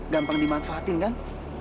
gampang dimanfaatin kan